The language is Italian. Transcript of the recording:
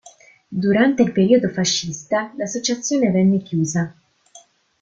Durante il periodo fascista l'associazione venne chiusa.